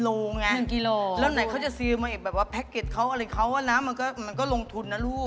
แต่มันตั้ง๑กิโลไงแล้วไหนเขาจะซื้อมาแบบว่าแพ็กเก็ตเค้าอะไรเค้าว่าน้ำมันก็ลงทุนนะลูก